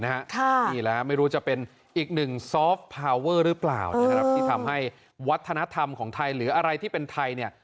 นี่แหละฮะไม่รู้จะเป็นอีกหนึ่งหรือเปล่าเออที่ทำให้วัฒนธรรมของไทยหรืออะไรที่เป็นไทยเนี้ย